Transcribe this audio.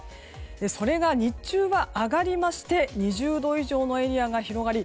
それが、日中は上がりまして２０度以上のエリアが広がり